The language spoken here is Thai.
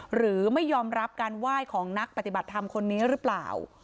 หรือไม่ยอมรับการไหว้ของนักปฏิบัติธรรมคนนี้หรือเปล่า